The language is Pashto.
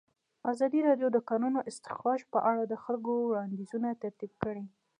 ازادي راډیو د د کانونو استخراج په اړه د خلکو وړاندیزونه ترتیب کړي.